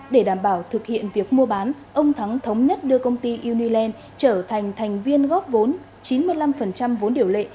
để đảm bảo thực hiện việc mua bán ông thắng thống nhất đưa công ty uniland trở thành thành viên góp vốn chín mươi năm vốn điều lệ